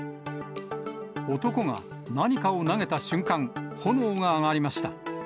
男が何かを投げた瞬間、炎が上がりました。